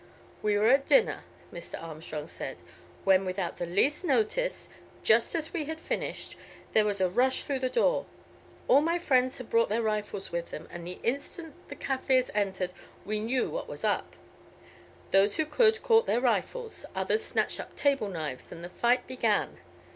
"We were at dinner," Mr. Armstrong said, "when without the least notice, just as we had finished, there was a rush through the door. All my friends had brought their rifles with them, and the instant the Kaffirs entered we knew what was up. Those who could caught their rifles, others snatched up table knives, and the fight began.